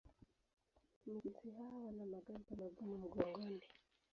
Mijusi hawa wana magamba magumu mgongoni.